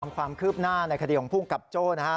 ความคืบหน้าในคดีของภูมิกับโจ้นะครับ